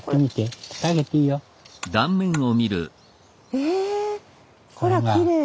ええほらきれい。